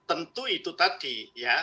itu itu tadi ya